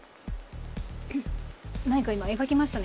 何か今描きましたね？